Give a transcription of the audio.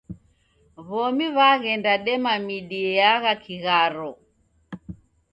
W'omi w'aghenda dema midi yeagha kigharo